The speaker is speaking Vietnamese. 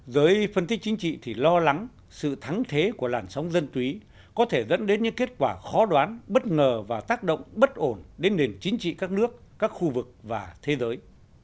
giới phân tích chính trị thì lo lắng sự thắng thế của làn sóng dân túy có thể dẫn đến những kết quả khó đoán bất ngờ và tác động bất ổn đến nền chính trị các nước các khu vực và thế giới